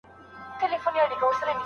موږ به د خپلو ماشومانو روزنه نه هيروو.